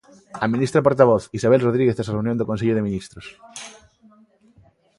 A ministra portavoz, Isabel Rodríguez tras a reunión do Consello de Ministros.